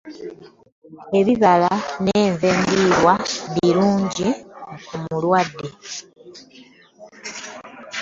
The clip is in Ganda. Ebibala n'enva endiirwa birungi ku mulwadde.